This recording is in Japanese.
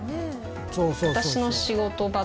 私の仕事場と。